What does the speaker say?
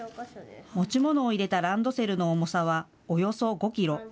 持ち物を入れたランドセルの重さはおよそ５キロ。